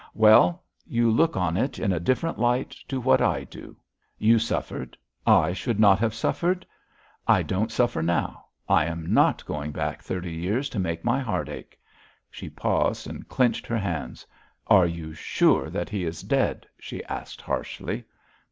'Well, you look on it in a different light to what I do. You suffered; I should not have suffered. I don't suffer now; I am not going back thirty years to make my heart ache.' She paused and clenched her hands. 'Are you sure that he is dead?' she asked harshly.